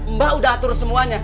mbak udah atur semuanya